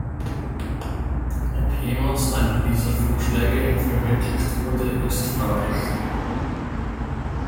Ob jemals einer dieser Vorschläge verwirklicht wurde, ist fraglich.